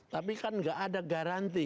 tapi kan nggak ada garanti